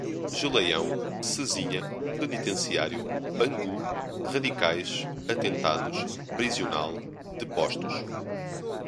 Geleião, Cesinha, Penitenciário, Bangu, radicais, atentados, prisional, depostos